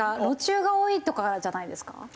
路駐が多いとかじゃないですか？